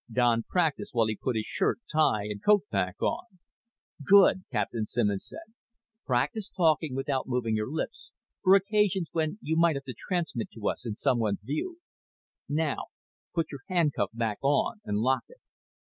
Don practiced while he put his shirt, tie and coat back on. "Good," Captain Simmons said. "Practice talking without moving your lips, for occasions when you might have to transmit to us in someone's view. Now put your handcuff back on and lock it."